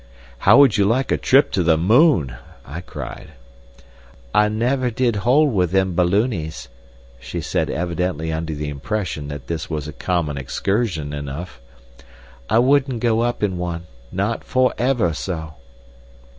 "How would you like a trip to the moon?" I cried. "I never did hold with them ballooneys," she said evidently under the impression that this was a common excursion enough. "I wouldn't go up in one—not for ever so."